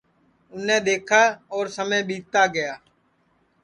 اُنے دؔیکھا اور سمے ٻیتا گیا